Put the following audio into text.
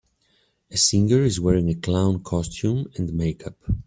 A singer is wearing a clown costume and makeup.